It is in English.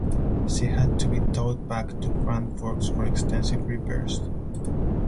She had to be towed back to Grand Forks for extensive repairs.